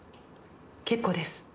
結構です。